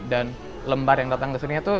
dan lembar yang datang ke sini itu